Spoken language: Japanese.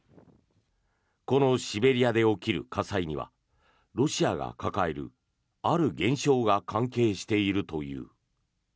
このシベリアで起きる火災にはロシアが抱えるある現象が関係しているという。